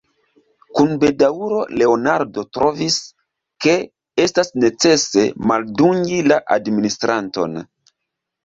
Kun bedaŭro Leonardo trovis, ke estas necese maldungi la administranton.